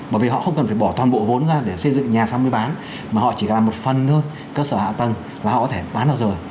bởi vì họ không cần phải bỏ toàn bộ vốn ra để xây dựng nhà xong mới bán mà họ chỉ cần một phần thôi cơ sở hạ tầng là họ có thể bán được rồi